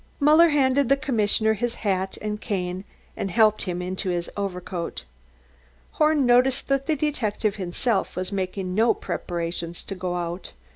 Muller handed the commissioner his hat and cane and helped him into his overcoat. Horn noticed that the detective himself was making no preparations to go out.